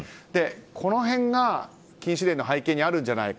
この辺が禁止令の背景にあるんじゃないか。